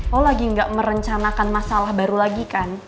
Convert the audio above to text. lo lagi gak merencanakan masalah baru lagi kan